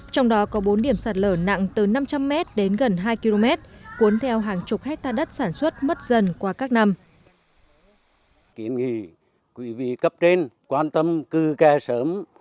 trong đó có bốn điểm sạt lở nặng từ năm trăm linh m đến gần hai km cuốn theo hàng chục hectare đất sản xuất mất dần qua các năm